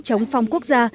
chống phong quốc gia